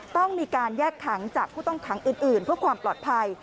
ต้องมีการแยกขังจากผู้ต้องขังอื่นเพื่อความปลอดภัย